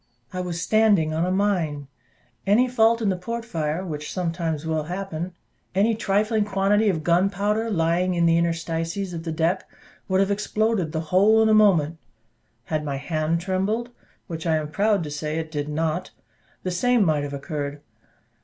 I was standing on a mine; any fault in the port fire, which sometimes will happen, any trifling quantity of gunpowder lying in the interstices of the deck, would have exploded the whole in a moment: had my hand trembled, which I am proud to say it did not, the same might have occurred.